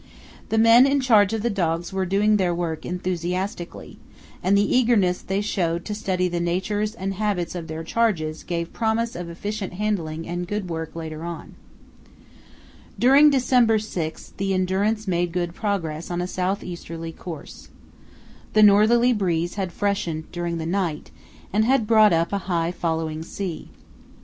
The men in charge of the dogs were doing their work enthusiastically, and the eagerness they showed to study the natures and habits of their charges gave promise of efficient handling and good work later on. [Illustration: The Leader] [Illustration: The Weddell Sea Party] During December 6 the Endurance made good progress on a south easterly course. The northerly breeze had freshened during the night and had brought up a high following sea.